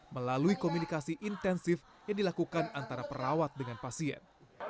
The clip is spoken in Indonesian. melalui komunikasi intensif yang dilakukan antara perawat dengan pasien